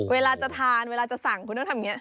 เวลาจะทานเวลาจะสั่งคุณต้องทำอย่างนี้